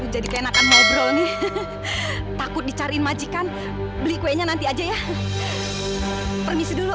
jadi kenakan ngobrol nih takut dicariin majikan beli kuenya nanti aja ya permisi dulu